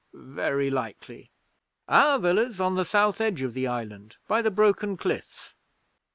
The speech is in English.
'Very likely. Our villa's on the South edge of the Island, by the Broken Cliffs.